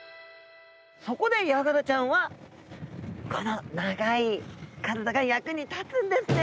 そこでヤガラちゃんはこの長い体が役に立つんですね。